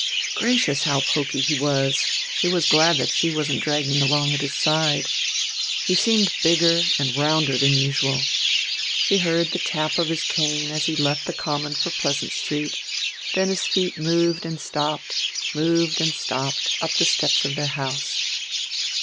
Gracious, how poky he was; she was glad that she wasn't dragging along at his side. He seemed bigger and rounder than usual. She heard the tap of his cane as he left the Common for Pleasant Street; then his feet moved and stopped, moved and stopped, up the steps of their house.